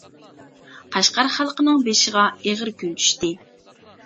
— قەشقەر خەلقىنىڭ بېشىغا ئېغىر كۈن چۈشتى.